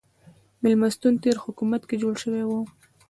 مېلمستون تېر حکومت کې جوړ شوی و.